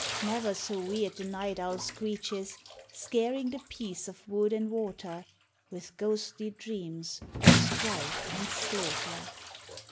Never so weird the night owl screeches Scaring the peace of wood and water With ghostly dreams of strife and slaughter.